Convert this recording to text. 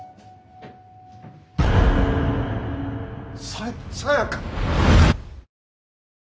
・ささやか！